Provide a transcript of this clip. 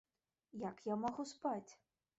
Як я магу спаць?